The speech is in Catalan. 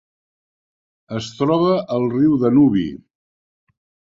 Es troba al riu Danubi.